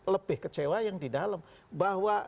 lebih kecewa yang di dalam bahwa